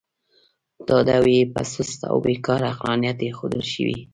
تاداو یې په سست او بې کاره عقلانیت اېښودل شوی.